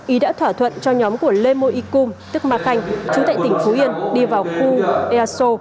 ý đã thỏa thuận cho nhóm của lê mô y cung tức mạc khanh chú tệ tỉnh phú yên đi vào khu eso